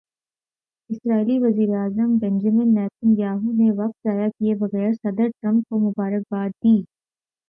اسرائیلی وزیر اعظم Benjamin Nitin Yahoo نے وقت ضائع کیے بغیر صدر ٹرمپ کو مبارک باد دی۔